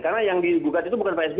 karena yang digugat itu bukan pak sbe